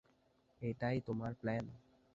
এটাই তোমার প্ল্যান?